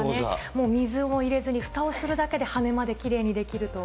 もう水も入れずに、ふたをするだけで羽根まできれいにできると。